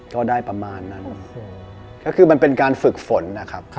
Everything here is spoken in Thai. ก็ได้ประมาณนั้นก็คือมันเป็นการฝึกฝนนะครับ